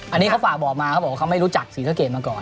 อันนี้เขาฝากบอกมาว่าเขาไม่รู้จักสีสะเกณฑมาก่อน